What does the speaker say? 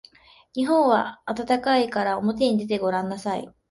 今は日本が暖かいからおもてに出てごらんなさい。